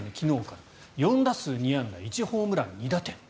４打数２安打１ホームラン２打点。